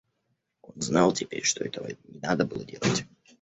Он знал теперь, что этого не надо было делать.